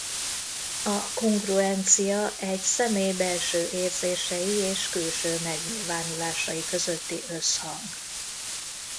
A kongruencia egy személy belső érzései és külső megnyilvánulásai közötti összhang.